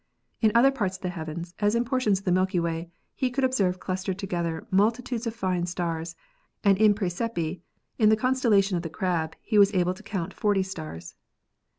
In other parts of the heavens, as in por tions of the Milky W T ay, he could observe clustered together multitudes of fine stars, and in Praesepe, in the constel lation of the Crab, he was able to count 40 stars.